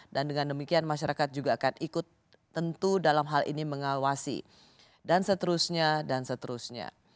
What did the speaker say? dan dengan demikian masyarakat juga akan ikut tuh dalam hal ini mengawasi dan seterusnya dan seterusnya